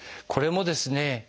これもですね